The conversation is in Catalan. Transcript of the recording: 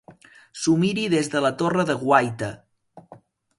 S'ho miri des de la torre de guaita.